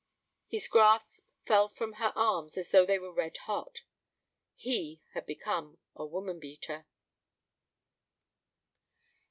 His grasp fell from her arms as though they were red hot. He had become a woman beater.